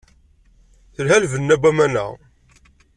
Telha lbenna n waman-a.